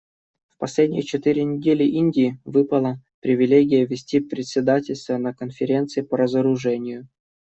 В последние четыре недели Индии выпала привилегия вести председательство на Конференции по разоружению.